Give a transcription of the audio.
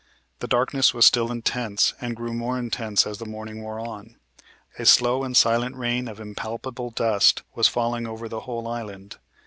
The darkness was still intense, and grew more intense as the morning wore on. A slow and silent rain of impalpable dust was falling over the whole island.